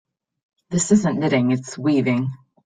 This isn't knitting, its weaving.